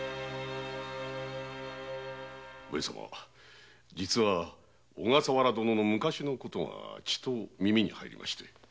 上様実は小笠原殿の昔のことがちと耳に入りまして。